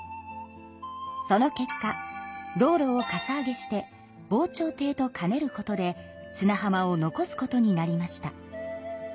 その結果道路をかさ上げして防潮堤と兼ねることで砂浜を残すことになりました。